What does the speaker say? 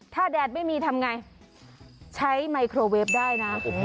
ถ้าแดดไม่มีทำไงใช้ไมโครเวฟได้นะ